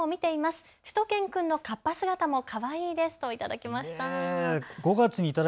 しゅと犬くんのカッパ姿もかわいいですと頂きました。